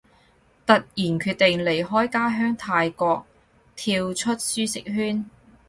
突然決定離開家鄉泰國，跳出舒適圈